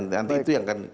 nanti itu yang akan